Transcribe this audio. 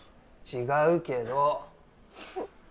違うけど。